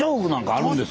あるんです。